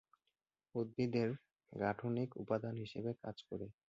উদ্ভিদের গাঠনিক উপাদান হিসেবে কাজ করে।